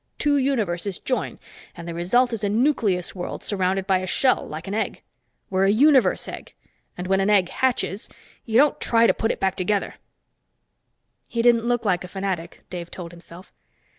Two universes join, and the result is a nucleus world surrounded by a shell, like an egg. We're a universe egg. And when an egg hatches, you don't try to put it back together!" He didn't look like a fanatic, Dave told himself.